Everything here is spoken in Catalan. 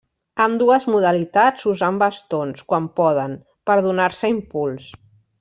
Ambdues modalitats usen bastons, quan poden, per donar-se impuls.